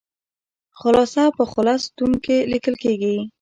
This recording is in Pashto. خلاصه په خلص ستون کې لیکل کیږي.